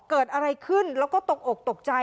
เกิดอะไรขึ้นแล้วก็ตกอกตกใจ